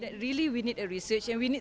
tapi ada yang tidak